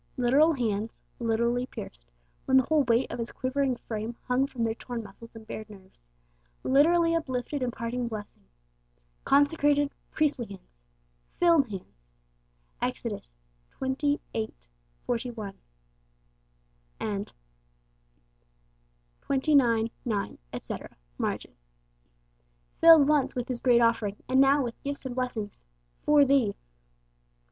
Literal hands; literally pierced, when the whole weight of His quivering frame hung from their torn muscles and bared nerves; literally uplifted in parting blessing. Consecrated, priestly hands; 'filled' hands (Ex. xxviii. 41, xxix. 9, etc., margin) filled once with His great offering, and now with gifts and blessings 'for thee.'